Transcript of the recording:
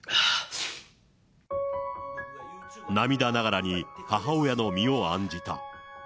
涙ながらに母親の身を案じた。